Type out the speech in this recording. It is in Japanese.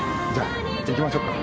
じゃあ行きましょうか。